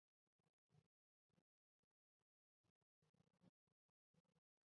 沙尔沙乌帕齐拉是孟加拉国库尔纳专区杰索尔县的一个乌帕齐拉。